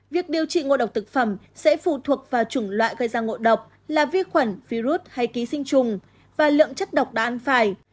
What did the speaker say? việc điều trị ngộ độc thực phẩm sẽ phụ thuộc vào chủng loại gây ra ngộ độc là vi khuẩn virus hay ký sinh trùng và lượng chất độc đã ăn phải